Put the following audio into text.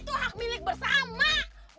tidak saya berangkat